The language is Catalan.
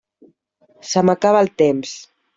Se m'acaba el temps.